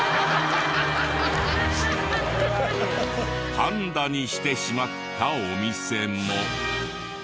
パンダにしてしまったお店も。